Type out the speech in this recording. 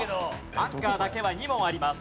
アンカーだけは２問あります。